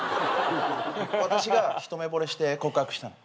私が一目ぼれして告白したの。